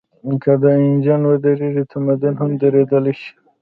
که دا انجن ودرېږي، تمدن هم درېدلی شي.